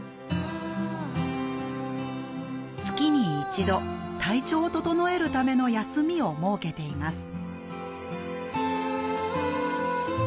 月に一度体調を整えるための休みを設けています